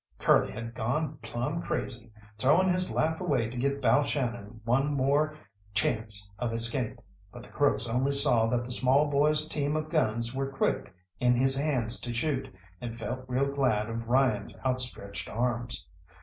Curly had gone plumb crazy, throwing his life away to get Balshannon one more chance of escape, but the crooks only saw that the small boy's team of guns were quick in his hands to shoot, and felt real glad of Ryan's outstretched arms.